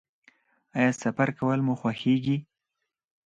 ایا سفر کول مو خوښیږي؟